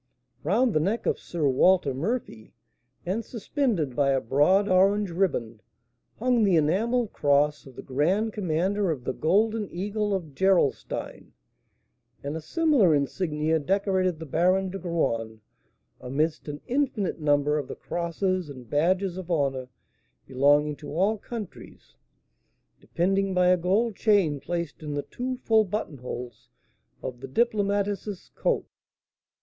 Round the neck of Sir Walter Murphy, and suspended by a broad orange riband, hung the enamelled cross of the grand commander of the Golden Eagle of Gerolstein; and a similar insignia decorated the Baron de Graün, amidst an infinite number of the crosses and badges of honour belonging to all countries, depending by a gold chain placed in the two full buttonholes of the diplomatist's coat.